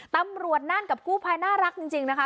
ตำรวจนั่นกับกู้ภัยน่ารักจริงนะคะ